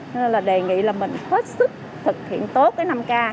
nên là đề nghị là mình hết sức thực hiện tốt cái năm k